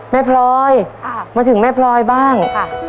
แม่พรอยมาถึงแม่พรอยบ้างค่ะ